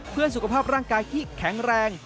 เพื่อสุขภาพร่างกายที่แข็งแรง